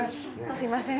すみません